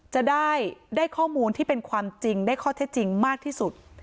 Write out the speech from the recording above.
จะได้ข้อมูลที่เป็นความจริงได้ข้อเท็จจริงมากที่สุด